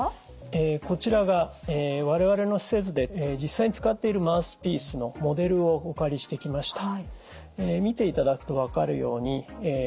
こちらが我々の施設で実際に使っているマウスピースのモデルをお借りしてきました。